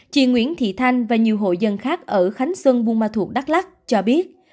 chị nguyễn thị thanh và nhiều hội dân khác ở khánh xuân buôn ma thuột đắk lắk cho biết